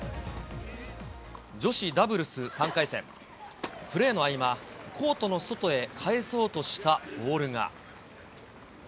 女子ダブルス３回戦、プレーの合間、コートの外へ返そうとしたボールが。